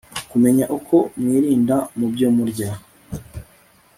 kumenya uko mwirinda mu byo murya